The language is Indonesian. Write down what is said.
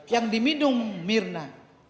yang diminum mirna